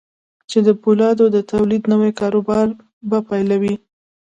چې د پولادو د توليد نوي کاروبار به پيلوي.